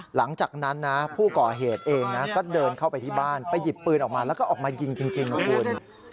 หลังจากนั้นนะผู้ก่อเหตุเองนะก็เดินเข้าไปที่บ้านไปหยิบปืนออกมาแล้วก็ออกมายิงจริงนะคุณ